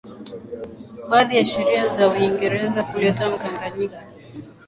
baadhi ya sheria za uingereza kuleta mkanganyiko